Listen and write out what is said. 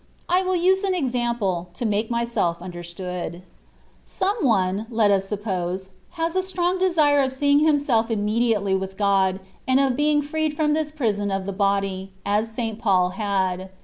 I will use an example, to make myself understood. Some one (let us suppose) has a strong desire of seeing himself immediately with God, and of being freed from this prison of the body, as St. Paul had.